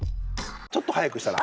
ちょっと速くしたら？